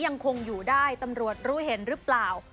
ยังคงอยู่ได้ตำรวจรู้เห็นหรือเปล่า